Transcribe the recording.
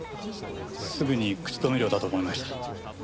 すぐに口止め料だと思いました。